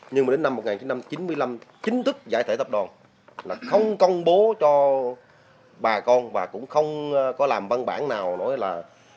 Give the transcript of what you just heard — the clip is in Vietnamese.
nhưng mà đến năm một nghìn chín trăm chín mươi năm chính thức giải thể tập đoàn là không công bố cho bà con và cũng không có làm văn bản nào nói là